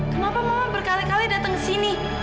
kenapa mama berkali kali datang ke sini